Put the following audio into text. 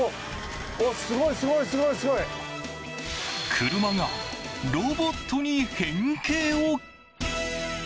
車がロボットに変形を。